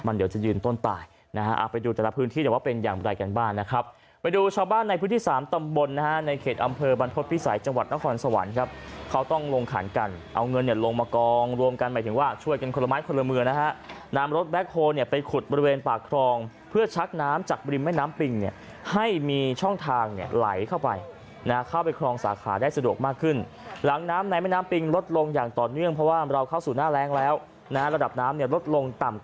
มันเดี๋ยวจะยืนต้นตายนะฮะอ่าไปดูแต่ละพื้นที่เนี่ยว่าเป็นอย่างไรกันบ้างนะครับไปดูชาวบ้านในพื้นที่สามตำบนนะฮะในเขตอำเภอบรรทธพิสัยจังหวัดนครสวรรค์ครับเขาต้องลงขันกันเอาเงินเนี่ยลงมากองรวมกันหมายถึงว่าช่วยกันคนละม้ายคนละเมืองนะฮะน้ำรถแบ็คโฮเนี่ยไปขุดบริเวณ